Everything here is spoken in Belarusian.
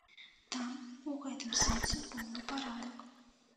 Там у гэтым сэнсе поўны парадак.